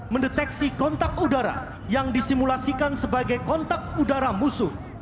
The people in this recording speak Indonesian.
mendeteksi kontak udara yang disimulasikan sebagai kontak udara musuh